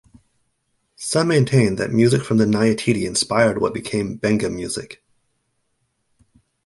Some maintain that music from the nyatiti inspired what became benga music.